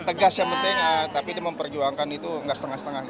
tegas yang penting tapi dia memperjuangkan itu nggak setengah setengah